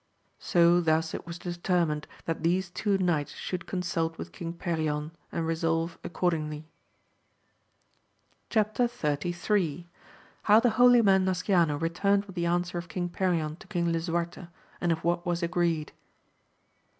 So thus it was determined that these two knights should consult with King Perion, and resolve accordingly. Chap. XXXIII. — How the holy man Nasciano returned with the answer of King Perion to King Lisuarte, and of what was agreed.